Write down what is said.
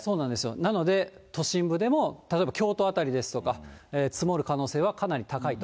なので、都心部でも例えば京都辺りですとか、積もる可能性はかなり高いと。